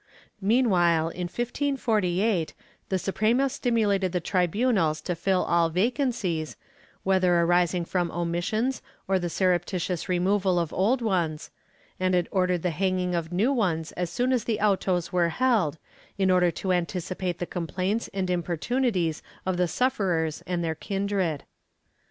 Meanwhile, in 1548, the Suprema stimulated the tri bunals to fill all vacancies, whether arising from omissions or the surreptitious removal of old ones, and it ordered the hanging of new ones as soon as the autos were held, in order to anticipate the complaints and importunities of the sufferers and their kindred.